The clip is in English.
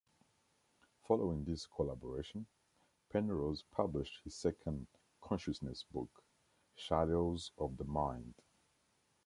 Following this collaboration, Penrose published his second consciousness book, "Shadows of the Mind".